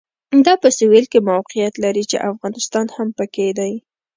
دا په سوېل کې موقعیت لري چې افغانستان هم پکې دی.